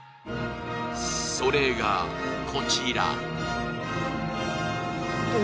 それが、こちら。